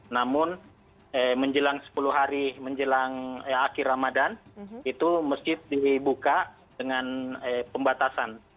namun menjelang sepuluh hari menjelang akhir ramadan itu masjid dibuka dengan pembatasan